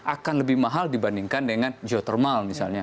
akan lebih mahal dibandingkan dengan geothermal misalnya